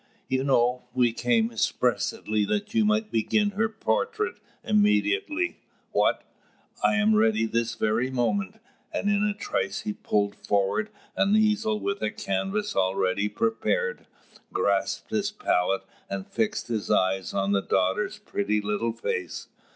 You know, we came expressly that you might begin her portrait immediately." "What? I am ready this very moment." And in a trice he pulled forward an easel with a canvas already prepared, grasped his palette, and fixed his eyes on the daughter's pretty little face.